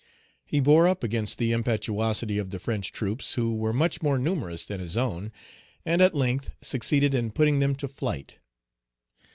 He bore up against the impetuosity of the French troops, who were much more numerous than his own, and at length succeeded in putting them to flight.